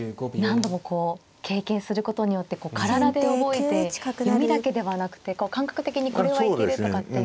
何度もこう経験することによって体で覚えて読みだけではなくて感覚的にこれは行けるとかって。